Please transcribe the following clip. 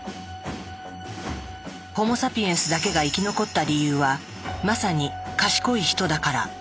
ホモ・サピエンスだけが生き残った理由はまさに「賢いヒト」だから。